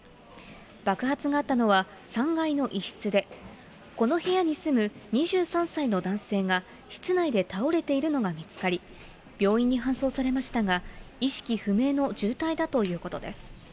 爆発があったのは、３階の一室で、この部屋に住む２３歳の男性が室内で倒れているのが見つかり、病院に搬送されましたが、意識不明の重体だということです。